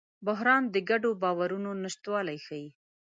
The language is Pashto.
بحران د ګډو باورونو نشتوالی ښيي.